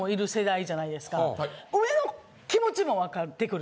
上の気持ちも分かってくる。